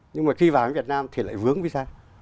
nhưng mà khi vào việt nam thì lại vướng visa